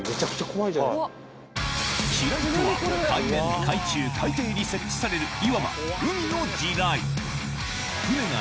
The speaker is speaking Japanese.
機雷とは海面海中海底に設置されるいわば海の地雷